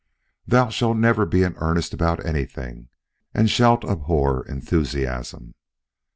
Thou shalt never be in earnest about anything, and shalt abhor enthusiasm.